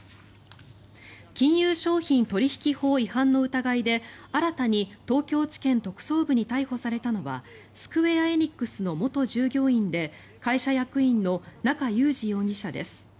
金融商品取引法違反の疑いで新たに東京地検特捜部に逮捕されたのはスクウェア・エニックスの元従業員で会社役員の中裕司容疑者です。